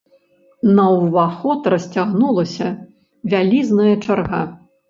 На ўваход расцягнулася вялізная чарга.